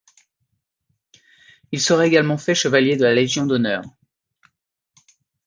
Il sera également fait chevalier de la Légion d'honneur.